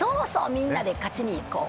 みんなで勝ちに行こう。